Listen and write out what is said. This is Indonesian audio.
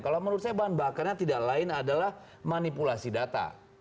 kalau menurut saya bahan bakarnya tidak lain adalah manipulasi data